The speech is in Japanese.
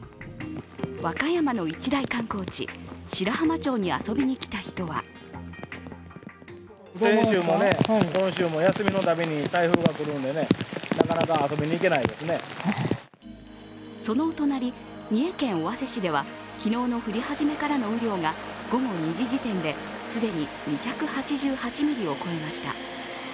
和歌山の一大観光地、白浜町に遊びに来た人はそのお隣、三重県尾鷲市では昨日の降り始めからの雨量が午後２時時点で既に２８８ミリを超えました。